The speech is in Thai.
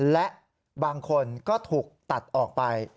และบางคนก็ถูกตัดออกไป